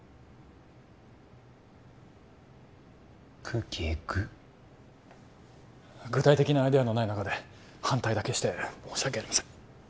空気エグ具体的なアイデアのない中で反対だけして申し訳ありません